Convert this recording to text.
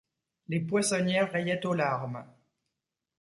Les poissonnières riaient aux larmes.